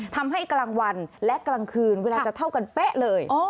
กลางวันและกลางคืนเวลาจะเท่ากันเป๊ะเลย